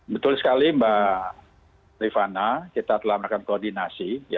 betul sekali mbak rifana kita telah melakukan koordinasi